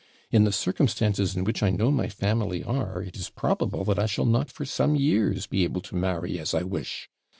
In the circumstances in which I know my family are, it is probable that I shall not for some years be able to marry as I wish.